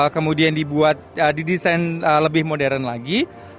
kemudian dibuat didesain lebih modern lagi